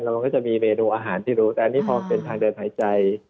มันก็จะมีเมนูอาหารที่รู้แต่อันนี้พอเป็นทางเดินหายใจ